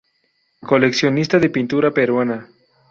Coleccionista de pintura peruana.